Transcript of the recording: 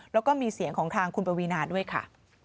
แล้วก็มีเสียงของทางคุณปวีนาด้วยค่ะ